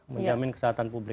menjamin kesehatan publik